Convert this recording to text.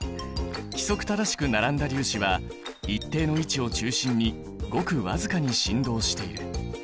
規則正しく並んだ粒子は一定の位置を中心にごく僅かに振動している。